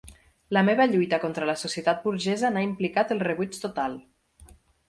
La meva lluita contra la societat burgesa n'ha implicat el rebuig total.